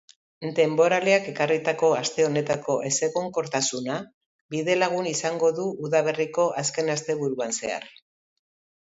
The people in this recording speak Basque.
Denboraleak ekarritako aste honetako ezegonkortasuna bidelagun izango du udaberriko azken asteburuan zehar.